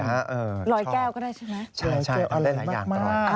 รอยแก้วก็ได้ใช่ไหมรอยเจ็บอะไรมากใช่มันได้หลายอย่าง